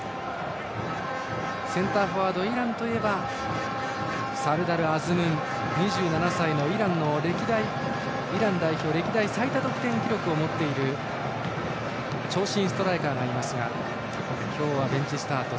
センターフォワードイランといえばサルダル・アズムン、２７歳イラン代表歴代最多得点記録を持っている長身ストライカーがいますが今日はベンチスタート。